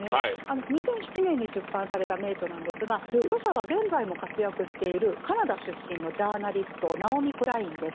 ２００７年に出版された名著なんですが著者は現在も活躍しているカナダ出身のジャーナリストナオミ・クラインです。